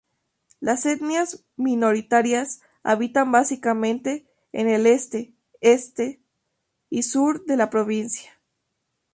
Las etnias minoritarias habitan básicamente en el oeste, este y sur de la provincia.